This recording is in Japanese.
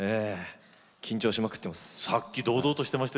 緊張しまくってます。